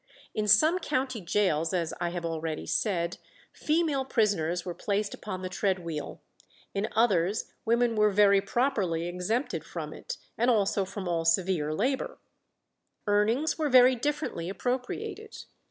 In some county gaols, as I have already said, female prisoners were placed upon the tread wheel; in others women were very properly exempted from it, and also from all severe labour. Earnings were very differently appropriated.